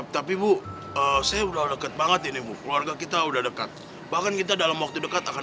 tapi bu saya udah deket banget ini bu keluarga kita udah dekat bahkan kita dalam waktu dekat akan